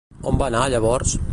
On va anar llavors?